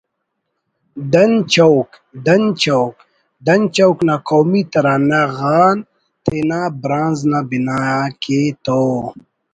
ڈن چوک ……ڈن چوک……ڈن چوک نا قومی ترانہ غان تینا برانز نا بناءِ کے تو……